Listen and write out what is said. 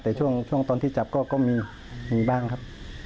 แต่ช่วงตอนที่จับก็มีบ้างครับ